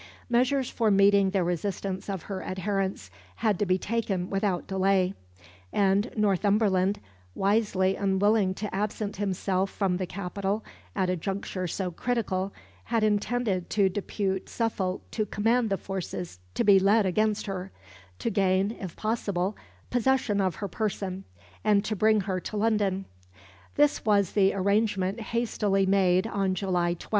Measures for meeting the resistance of her adherents had to be taken without delay; and Northumberland, wisely unwilling to absent himself from the capital at a juncture so critical, had intended to depute Suffolk to command the forces to be led against her; to gain, if possible, possession of her person, and to bring her to London. This was the arrangement hastily made on July 12.